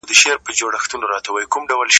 آیا د ستورو رڼا د سپوږمۍ تر رڼا کمه ده؟